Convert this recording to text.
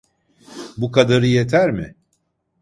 Bu kadarı yeter mi?